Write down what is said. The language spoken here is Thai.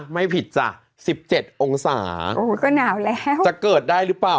ไม่ผิดจ้ะสิบเจ็ดองศาโอ้ก็หนาวแล้วจะเกิดได้หรือเปล่า